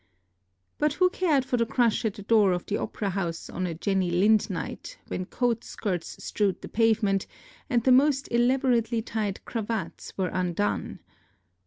But who cared for the crush at the door of the opera house on a Jenny Lind night, when coat skirts strewed the pavement, and the most elaborately tied cravats were undone?